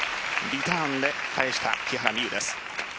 リターンで返した木原美悠です。